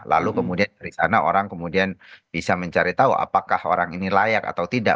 lalu kemudian dari sana orang kemudian bisa mencari tahu apakah orang ini layak atau tidak